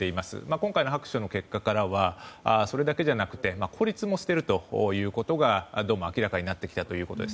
今回の白書の結果からはそれだけじゃなくて孤立もしているということがどうも明らかになってきたということです。